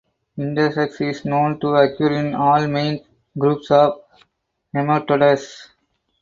Intersex is known to occur in all main groups of nematodes.